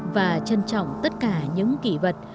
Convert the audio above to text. và trân trọng tất cả những kỷ vật